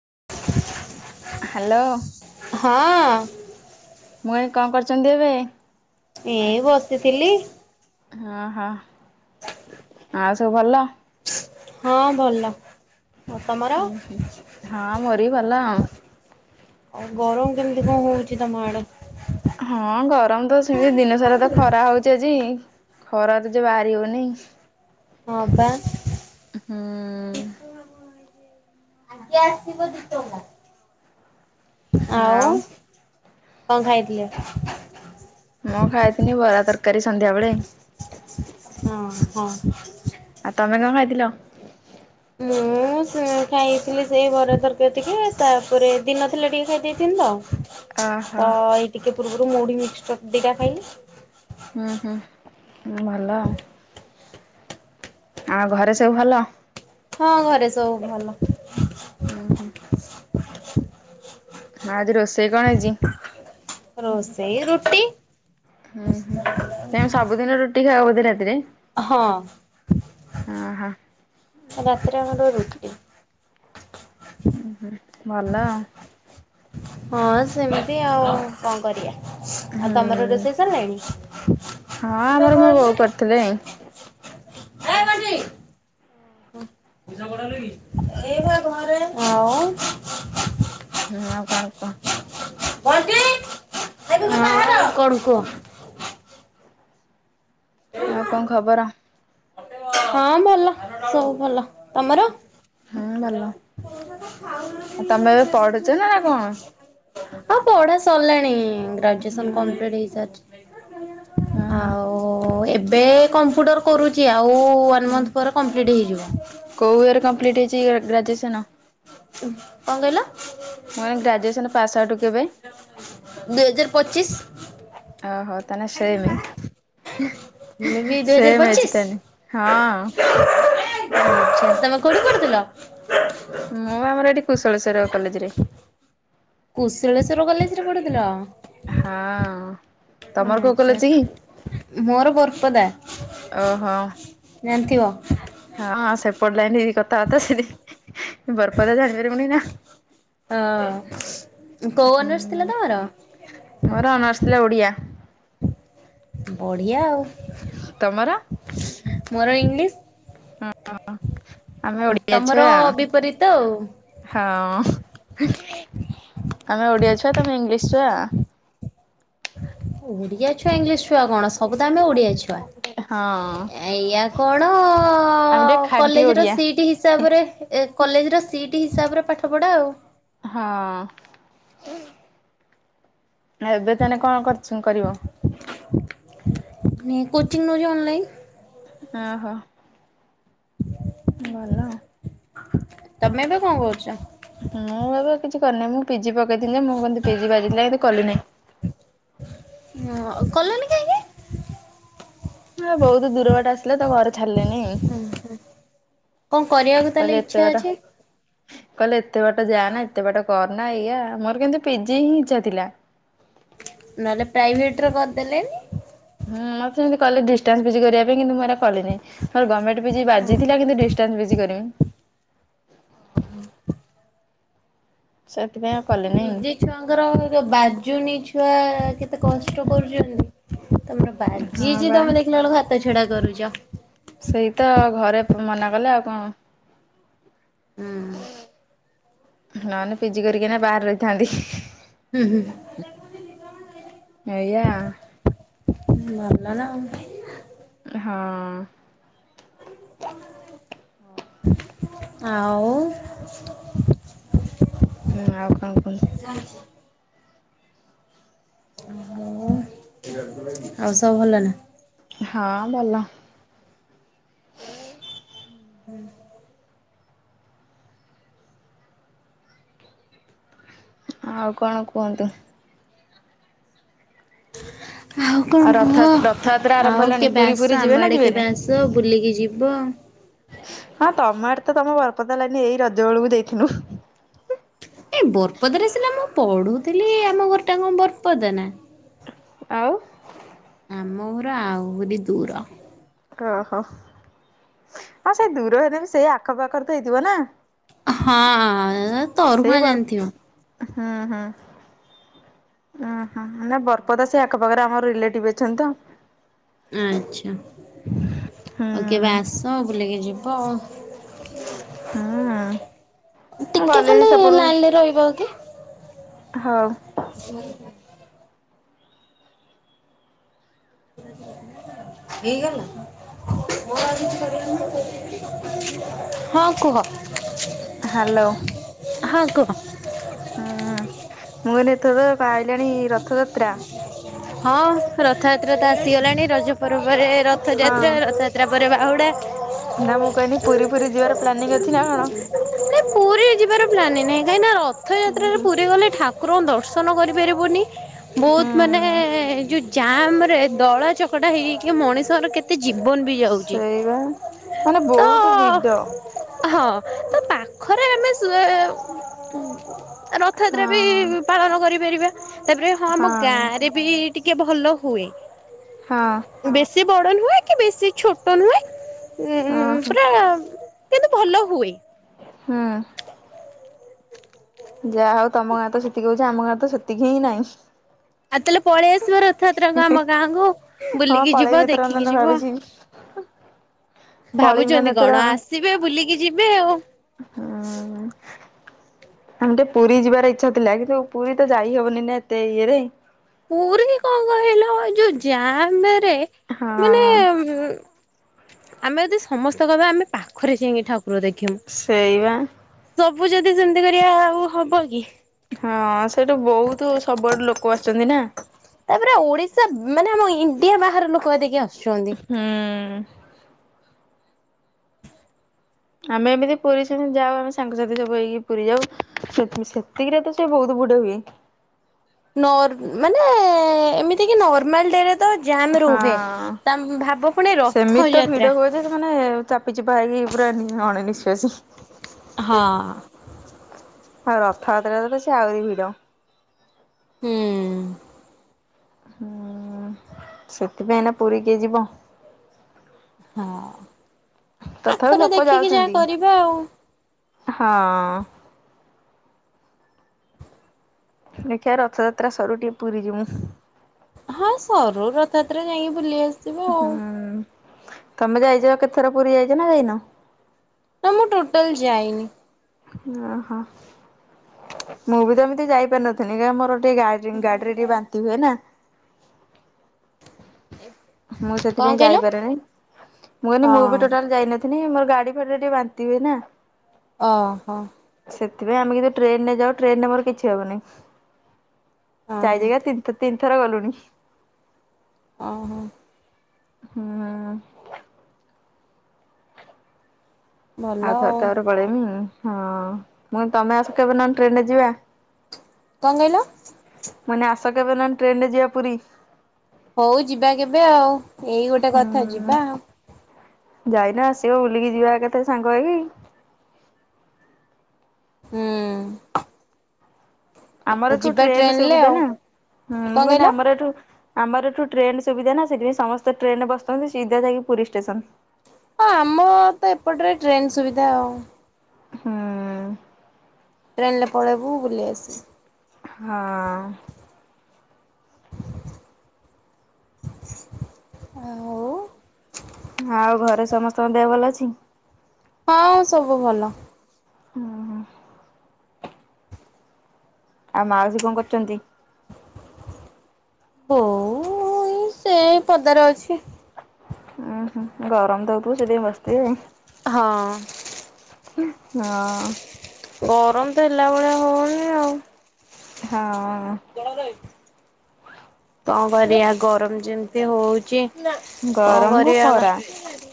[inaudible] Hello. ହଁ। ମୁଁ ଏଇ କଣ କରୁଛନ୍ତି ଏବେ। ଏଇ ବସିଥିଲି ହଁ ହଁ। ଆଉ ସବୁ ଭଲ? ହଁ ଭଲ। ଆଉ ତମର ହୁଁ ହୁଁ ହଁ ମୋରି ବି ଭଲ ଆଉ। ଆଉ ଗରମ କେମିତି କଣ ହଉଛି ତମ ଆଡେ? ହଁ ଗରମ ତ ସେମିତି ଦିନ ସାରା ତ ଖରା ହଉଚି ଆଜି। ଖରା ତ ଯୋଉ ବାହାରି ହଉନେଇ। ହଁ ବା। ହୁଁ। ଆଜ୍ଞା ଆସିବ ଦି ଟଙ୍କା ଆଉ କଣ ଖାଇଥିଲେ? ମୁଁ ଖାଇଥିନି ବରା ତରକାରୀ ସନ୍ଧ୍ୟାବେଳେ। ହଁ ହଁ। ଆଉ ତମେ କଣ ଖାଇଥିଲ? ମୁଁ ମୁଁ ସେ ଖାଇଥିଲି ସେଇ ବରା ତରକାର ଟିକେ ତାପରେ ଦିନ ଥିଲା ଟିକେ ଖାଇ ଦେଇଥିଲି ତ ଓହୋ ତ ଏଇ ଟିକେ ପୂର୍ବରୁ ମୁଢ଼ି ମିକ୍ସର ଦିଟା ଖାଇଲି। ହୁଁ ହୁଁ ହୁଁ ଭଲ ଆଉ। ଆଉ ଘରେ ସବୁ ଭଲ? ହଁ ଘରେ ସବୁ ଭଲ। ହୁଁ ହଁ ଆଜି ରୋଷେଇ କଣ ହେଇଛି? ରୋଷେଇ ରୁଟି। ହୁଁ ହୁଁ ତମେ ସବୁଦିନ ରୁଟି ଖାଇବା ବୋଧେ ରାତିରେ। ହଁ ଓହୋ ରାତିରେ ଆମର ରୁଟି। ଉ ହୁଁ ଭଲ। ହଁ ସେମିତି ଆଉ କଣ କରିବା। ଆଉ ତମର ହୁଁ ରୋଷେଇ ସାରିଲାଣି? ହଁ ଆମେ ଆମର ମୋ ବୋଉ ଘରରେ କରିଥିଲେ ହେ ବଣ୍ଟି। ଆଉ ହଁ ଆଉ କଣ କୁହ? ଆଉ କଣ କୁହ? ଆଉ କଣ ଖବର? ହଁ ଭଲ ସବୁ ଭଲ। ତମର। ହୁଁ ଭଲ ମଉସା ତ ଖାଉନାହାନ୍ତି ଆଉ ଏ ତମେ ଏବେ ସେ ପଢୁଛ ଜିନିଷ ନା ସବୁ କଣ କିଛି। ହଁ ପଢା ସରିଲାଣି ଗ୍ରାଜୁଏସନ କମ୍ପ୍ଲିଟ ହଁ ହେଇସାରିଛି। ହଁ ଆଉ ଏବେ କମ୍ପ୍ୟୁଟର କରୁଛି। ଓ ୱାନ୍ ମନ୍ଥ ପରେ କମ୍ପ୍ଲିଟ୍ ହେଇଯିବ। ଗ୍ରାଜୁଏସନ୍। କଣ କହିଲ? ମୁଁ କହିଲି ଗ୍ରାଜୁଏସନ ପାସେ ଆଉଟ୍ କେବେ? ଦୁଇ ହଜାର ପଚିଶ ଓ ହୋ ତାନେ ସେମେ। ମୁଁ ବି ଦୁଇ ହଜାର ପଚିଶ। ହଁ ଆଛା ତମେ କୋଉଠି ପଢୁଥିଲ? ମୁଁ ଆମର ଏଠି କୁଶଳେଶ୍ୱର କଲେଜରେ। କୁଶଳେଶ୍ଵର କଲେଜ ରେ ପଢୁଥିଲ। ହଁ ତମର କୋଉ ଆଚ୍ଛା କଲେଜ୍ କି? ମୋର ବର୍ପଦା ଓହୋ ଜାଣିଥିବ ହଁ ସେପଟ ଲାଇନ କଥାବାର୍ତ୍ତା ସେଠି ବର୍ପଦା ଜାଣି ପାରିବୁନି ନା। ହଁ କୋଉ ଅନର୍ସ ହୁଁ ଥିଲା ତମର? ମୋର ଅନର୍ସ ଥିଲା ଓଡିଆ। ବଢିଆ ଆଉ ତମର? ମୋର ଆମେ ଇଂଲିଶ ଓଡିଆ ଛୁଆ ତମର ବିପରୀତ ଆଉ ହଁ। ଆମେ ଓଡିଆ ଛୁଆ ତମେ ଇଂଲିଶ ଛୁଆ। ଓଡ଼ିଆ ଛୁଆ ଇଂଲିଶ ଛୁଆ କଣ ସବୁତ ଆମେ ଓଡ଼ିଆ ଛୁଆ। ହଁ ଏଇଆ କଣ ଆମେ ଟିକେ ଖାଣ୍ଟି କଲେଜ ର ଓଡିଆ। ସିଟି ହିସାବରେ ଏ କ କଲେଜର ସିଟ୍ ହିସାବରେ ପାଠ ପଢ଼ା ଆଉ। ହଁ। ଏବେ ତାନେ କଣ କରଚୁ କରିବ? ମୁଁ କୋଚିଙ୍ଗ ନଉଚି ଅନଲାଇନ। ଓହୋ। ହ ଭଲ। ତମେ ଏବେ କଣ କରୁଚ? ମୁଁ ଏବେ କିଛି କରୁନି। ମୁଁ ପିଜି ପକେ ପକେଇ ଥିଲି ମୁଁ କିନ୍ତୁ ପିଜି ବାଜିଲା କିନ୍ତୁ କଲି ନାଇଁ। କଲନି କାହିଁକି? ହଁ ବହୁତ ଦୂର ବାଟ ଆସିଲା ତ ଘରେ ଛାଡିଲେନି। କଣ କରିବାକୁ ତାହେଲେ କହିଲେ ଏତେ ଇଛା ବାଟ ଅଛି। କହିଲେ ଏତେ ବାଟ ଯା ନା ଏତେ ବାଟ କରନା ଏଇଆ ମୋର କିନ୍ତୁ ପିଜି ହିଁ ଇଚ୍ଛା ଥିଲା। ନହେଲେ ପ୍ରାଇଭେଟ ରେ କରିଦେଲେନି। ହୁଁ ମତେ ସେମିତି କଲେ ଡିଷ୍ଟାନ୍ସ ପିଜି କରିବା ପାଇଁ। କିନ୍ତୁ ମୁଁ ହେରା କଲିନି। ମୋର ଗମେଣ୍ଟ ପିଜି ବାଜିଥିଲା। କିନ୍ତୁ ଡିଷ୍ଟାନ୍ସ ପିଜି କରମି। ହଁ ହଁ। ସେଥିପାଇଁ ଆଉ କଲିନି। ପିଜି ଛୁଆଙ୍କର ଯୋଉ ବାଜୁନି ଛୁଆ କେତେ କଷ୍ଟ କରୁଚନ୍ତି। ତମର ହଁ ବାଜିଚି ବା। ତମେ ଦେଖିଲା ବେଳକୁ ହାତ ଛଡା କରୁଚ। ସେଇ ତ ଘରେ ମନା କଲେ ଆଉ କଣ? ହୁଁ ନହେଲେ ପିଜି କରିକିନା ଏଇନା ବାହାର ରହିଥାନ୍ତି। ହୁଁ ଏୟା ମାରଲାନା ଆଉ। ହଁ [inaudible] ହଉ ଆଉ ହୁଁ ଆଉ କଣ କୁହନ୍ତୁ? ହଁ ଆଉ ସବୁ ଭଲ ନା? ହଁ ଭଲ। ହୁଁ ଆଉ କଣ କୁହନ୍ତୁ? ହ [inaudible] ଆଉ କଣ ରଥ କୁହ? ରଥଯାତ୍ରା ଆରମ୍ଭ ଆଉ ହେଲାଣି କେବେ ପୁରୀ ଆସ ଫୁରୀ ଆମ ଯିବେ ନା ଆଡେ ଯିବେନି? କେବେ ଆସ ବୁଲିକି ଯିବ। ହଁ ତମ ଆଡେ ତ ତମ ବରପଦ ଲାଇନି ଏଇ ରଜ ବେଳକୁ ଦେଖିନୁ। ଏ ବରପଦ ରେ ସିନା ମୁଁ ପଢୁଥିଲି ଆମ ଘର ଟା କଣ ବରପଦ ନା? ଆଉ? ଆମ ଘର ଆହୁରି ଦୂର। ଓହୋ ହଉ ସେଇ ଦୂର ହେ ନଉ ସେଇ ଆଖପାଖରେ ତ ହେଇଥିବ ନା? ହଁ ସେଇ ତରୁହଁ ବର୍ ଜାଣିଥିବ? ହୁଁ ହୁଁ। ଓ ହଁ ନା ବରପଦା ସେଇ ଆଖ ପାଖରେ ଆମର ରିଲେଟିଭ ଅଛନ୍ତି ତ। ଆଚ୍ଛା ଆଉ କେବେ ହୁଁ। ଆସ ବୁଲିକି ଯିବ ଆଉ? ହୁଁ ମୁଁ ଟିକେ ଗଲିଣି ଖାଲି ଲାଇନରେ ରହିବ କି? ହଁ। [inaudible] ହେଇଗଲା [inaudible] ହଁ କୁହ ହ୍ୟାଲୋ। ହ କୁହ? ହୁଁ ମୁଁ କହିଲି ଏଥର ଆଇଲାଣି ରଥଯାତ୍ରା। ହଁ ରଥଯାତ୍ରା ତ ଆସିଗଲାଣି ରଜ ପରେ ପରେ ହଁ। ରଥଯାତ୍ରା ରଥଯାତ୍ରା ପରେ ବାହୁଡା। [inaudible] ନା ମୁଁ କହିଲି ପୁରୀ ପୁରୀ ଯିବାର ପ୍ଲାନିଂ ଅଛି ନାଁ କଣ? କାହିଁକିନା ଉଁ ରଥଯାତ୍ରାରେ ହୁଁ। ପୁରୀ ଗଲେ ଠାକୁରଙ୍କ ଦର୍ଶନ କରିପାରିବୁନି ବହୁତ ମାନେ ହୁଁ ଯୋଉଁ ଜାମ ରେ ଦଳା ଚକଟା ହେଇ ହେଇକି ମଣିଷର କେତେ ଜୀବନ ବି ଯାଉଛି ସେଇବା ମାନେ ତ ବହୁତ ଭିଡ। ହଁ ତ ପାଖରେ ଆମେ ରଥଯାତ୍ରା ବି ହଁ। ପାଳନ କରିପାରିବା ତାପରେ ହଁ ଆମ ଗାଁରେ ବି ଟିକେ ଭଲ ହୁଏ। ହଁ। ବେଶୀ ବଡ ନୁହେଁ କି ବେଶୀ ଛୋଟ ନୁହେଁ। ଉଁ ଓହୋ ପୁରା କିନ୍ତୁ ଭଲ ହୁଏ। ହଁ। ଯାହା ହଉ ତମ ଗାଁ ତ ସେତିକି ହଉଛି ଆମ ଗାଁ ତ ସେତିକି ହିଁ ନାଇଁ [inaudible] [unintelligible] ଆସିବ ରଥଯାତ୍ରାକୁ ଆମ ଗାଁକୁ ହଁ ବୁଲିକି ଯିବ ପଳେଇବି ଏଥର ଦେଖିକି ନହେଲେ ଯିବ। ଭାବିଛି। ପଳେଇବି ନହେଲେ ଭାବୁଛନ୍ତି ଏଥର କଣ ହୁଁ। ଆସିବେ ବୁଲିକି ଯିବେ ଆଉ। ଆମେ ଟେ ପୁରୀ ଯିବାର ଇଚ୍ଛା ଥିଲା କିନ୍ତୁ ପୁରୀ ତ ଯାଇ ହବନି ନା ଏତେ ଇଏରେ ପୁରୀ କଣ କହିଲା ଯୋଉ ଜାମରେ ମାନେ ହଁ ଉ ଆମେ ଯଦି ସମସ୍ତେ କହିବା ଆମେ ପାଖରେ ଯାଇକି ଠାକୁ ସେଇବା। ସବୁ ଯଦି ସେମିତି କରିବା ଆଉ ହବ କି ହଁ ସେଠୁ ବହୁତ ସବୁଆଡୁ ଲୋକ ଆସୁଛନ୍ତି ନା ତାପରେ ଓଡିଶା ମାନେ ଆମ ଇଣ୍ଡିଆ ବାହାର ଲୋକ ହେ ଦେଖି ଆ ହୁଁ। ଆମେ ଏମିତି ପୁରୀ ସେ ଯାଉ ଆମେ ସାଙ୍ଗସାଥି ସବୁ ହେଇକି ପୁରୀ ଯାଉ ସେତିକିରେ ତ ସେ ବହୁତ [inaudible] ନର ମାନେ ଏମିତି କି ନମାଲ ଡେ ଯାମ ହଁ। ରୁହେ ତା ପୁଣି ସେମିତି ତ ରଥଯାତ୍ରା। ଭିଡ ହୁଏଯେ ସେମାନେ ଚାପିଚିପାଇକି ପୁରା ଅଣନି ହଁ। ହଉ ରଥଯାତ୍ରା ତ ତ ସେ ଆହୁରି ଭିଡ ହୁଁ। ହୁଁ ସେଥିପାଇଁନା ପୁରୀ କେ ଯିବ ହଁ ତଥାପି ପାଖରେ ଲୋକ ଦେଖିକି ଯାହା ଯାଉଛନ୍ତି। କରିବା ଆଉ ହଁ। ଦେଖିିବା ରଥଯାତ୍ରା ସରୁ ଟିକେ ପୁରୀ ଜିମୁଁ ହଁ ସରୁ ରଥଯାତ୍ରା ଯାଇକି ବୁଲି ଆସ ହୁଁ ତମେ ଯାଇଛ କେତଥର ପୁରୀ ଯାଇଛ ନାଁ ଯାଇନ? ନା ମୁଁ ଟୋଟାଲ ଯାଇନି। ଓହୋ ମୁଁ ବି ତ ଏମିତି ଯାଇପାରିନଥିଲି କ ମୋର ଗ ଗାଡିରେ ଟ ବାନ୍ତି ହୁଏ ନାଁ। ମୁଁ କଣ ସେଥିପାଇଁ କହିଲ? ଯାଇପାରେନି ମୁଁ କହିଲି ମୁଁ ବି ହଁ ଟୋଟାଲ ଯାଇନଥିଲିନି ମୋର ଗାଡି ଟ ଟିକେ ବାନ୍ତି ହୁଏ ନା। ଓ ହୋ। ସେଥିପାଇଁ ଆମେ କିନ୍ତୁ ଟ୍ରେନରେ ଯାଉ ଟ୍ରେନରେ ମୋର କିଛି ହବନି। ହଁ। [unintelligible] ତିନ ତିନ ଥର ଗଲୁଣିି। ଓ ହୋ। ହୁଁ। ଭଲ ଆଉଥର ଆଉ। ତାରେ ପଳେଇମି, ହଁ ମୁଁ ତମେ ଆସ କେବେ ନହଲେ ଟ୍ରେନରେ ଯିବା। କଣ କହିଲ? କହିନି ଆସ କେବେ ନା ଟ୍ରେନରେ ଯିବା ପୁରୀ। ହଉ ଯିବା କେବେ ଆଉ, ଏଇ ଗୋଟେ କଥା ହୁଁ ଯିବା। ଯାଇନ ଆସିବ ବୁଲିକି ଯିବା କେଥେରେ ସାଙ୍ଗ ହେଇ। ହୁଁ। ଆମର ଓ ଏଠୁ ଯିବା ଟ୍ରେନ ଟ୍ରେନରେ ସୁବିଧା ଆଉ ନା, ହୁଁ କଣ ମୁଁ କହିଲି କହିଲ? ଆମର ଏଠୁ ଆମର ଏଠୁ ଟ୍ରେନ ସୁବିଧା ନା ସେଥିପାଇଁ ସମସ୍ତେ ଟ୍ରେନ ବସଥାନ୍ତି ସିଧା ଯାଇକି ପୁରୀ ଷ୍ଟେସନ। ହଁ ଆମର ତ ଏପଟରେ ଟ୍ରେନ ସୁବିଧା ଆଉ। ହୁଁ। ଟ୍ରେନରେ ପଳେଇବୁ ବୁଲି ଆସିବୁ। ହଁ। ଆଉ ଆଉ ଘରେ ସମସ୍ତଙ୍କ ଦେହ ଭଲ ଅଛି। ହଁ ସବୁ ଭଲ। ଉଁ ହୁଁ। ଆଉ ମାଉସୀ କଣ କରୁଛନ୍ତି? ବୋଉ ଏ ସେ ପଦାରେ ଅଛି। ଉଁ ହଁ ଗରମ ତ ହଉଥିବେ ସେଥିପାଇଁ ବସଥିବେ। ହଁ। ହଁ। ଗରମ ତ ହେଲା ଭଳିଆ ହଉନି ଆଉ। ହଁ। କଣ କରିଆ ଗରମ ଯେମିତି ହଉଛି। କଣ ଗରମ କୁ କରିବା ଖରା,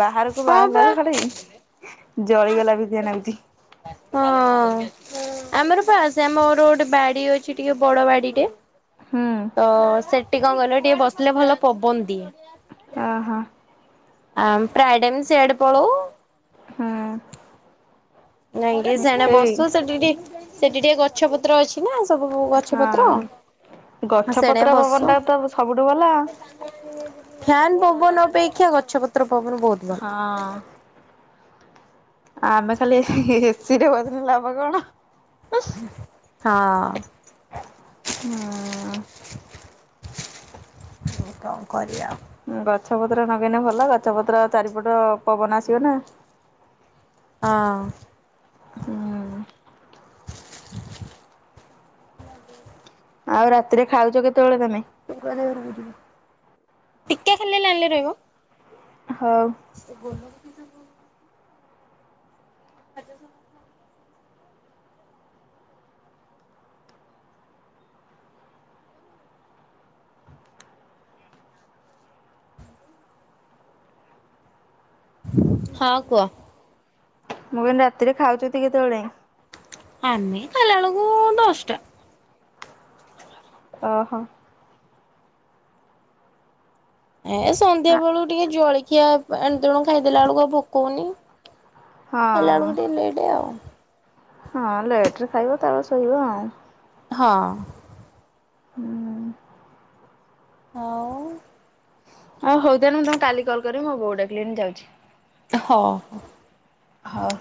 ବାହାରକୁ ହଁ ବାହାରିଲାା ପା। ବେଳକୁ ଖାଲି ଜଳିଗଲା ମିତିଆ ନାଗୁଛି। ହଁ। ଆମର ବାସ ଆମର ଗୋଟେ ବାଡି ଅଛି ଟିକେ ବଡ ବାଡି ଟେ ହୁଁ ତ ସେଠି କଣ ଗଲେ ଟିକେ ବସିଲେ ଭଲ ପବନ ଦିଏ। ଅ ହ। ଆମ୍ ପ୍ରାୟେ ଟାଇମ୍ ସିଆଡେ ପଳାଉ। ହୁଁ ଯାଇଙ୍କି ଟିକେ ସାଡେ ସେଇ ବସୁ, ସେଠି ଟିକେ ସେଠି ଟିକେ ଗଛ ପତ୍ର ଅଛି ନା। ସବୁ ଗଛ ପତ୍ର। ହଁ। ଗଛ ସେଣେ ପତ୍ର ବସୁ ପବନ ଟା ତ ସବୁଠୁ ଭଲ। ଫ୍ୟାନ ପବନ ଅପେକ୍ଷା ଗଛ ପତ୍ର ପବନ ବହୁତ ଭଲ। ହଁ। ଆମେ ଖାଲି ଏ ସି, ଏ ସି ରେ ବସିଲେ ଲାଭ କଣ? ହଁ। ହଁ। କଣ କରିଆ ଆଉ। ଗଛ ପତ୍ର ନଗେଇଲେ ଭଲ, ଗଛ ପତ୍ର ଚାରିପଟ ପବନ ଆସିବ ନା। ହଁ। ହୁଁ। ଆଉ ରାତିରେ ଖାଉଛ କେ ଟିକେ ଖାଲି ଲାଇନ ରେ ରହିବ। ହଉ ସେ [unintelligible] [unintelligible] ହଁ କୁହ। ମୁଁ କହିନି ରାତିରେ ଖାଉଚ କେତେବେଳେ? ଆମେ କାଇଲା ବେଳକୁ ଦଷ୍ଟା। ଓହୋ। ଏ ସନ୍ଧ୍ୟା ବେଳକୁ ଟିକେ ଜଳଖିଆ ଏଣ ତେଣୁ ଖାଇଦେଲା ବେଳକୁ ଆଉ ଭୋକ କଉନି। ଖାଇଲା ହଁ। ବେଳକୁ ଟିକେ ଲେଟ ଆଉ। ହଁ ଲେଟରେ ଖାଇବ ତାପରେ ଶୋଇବ ଆଉ। ହଁ। ହୁଁ। ଆଉ ଆଉ ହଉ ତାହେଲେ ମୁଁ ତମେ କାଲି କଲ କରିବି ମୋ ବୋଉ ଡ଼ାକିଲାଣି ମୁଁ ଯାଉଛି। ହଉ। ହଉ।